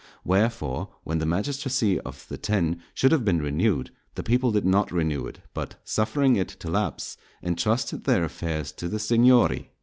Wherefore when the magistracy of "the Ten" should have been renewed, the people did not renew it, but, suffering it to lapse, entrusted their affairs to the "Signory."